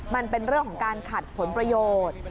มันเป็นเรื่องของการขัดผลประโยชน์